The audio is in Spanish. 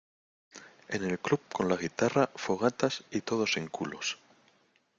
en el club con la guitarra, fogatas y todos en culos